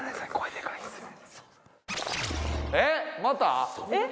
えっ⁉また？